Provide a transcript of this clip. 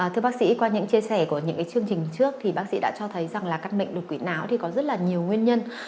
thưa bác sĩ qua những chia sẻ của những chương trình trước thì bác sĩ đã cho thấy rằng là các bệnh đột quỵ não thì có rất là nhiều nguyên nhân